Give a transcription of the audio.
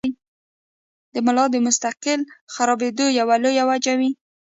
د ملا د مستقل خرابېدو يوه لويه وجه وي -